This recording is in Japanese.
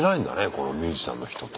このミュージシャンの人と。